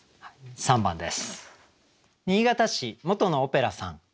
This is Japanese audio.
３番です。